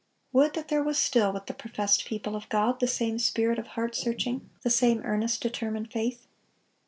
Would that there was still with the professed people of God the same spirit of heart searching, the same earnest, determined faith.